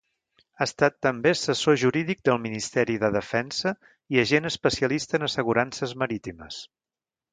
Ha estat també assessor jurídic del Ministeri de Defensa i agent especialista en assegurances marítimes.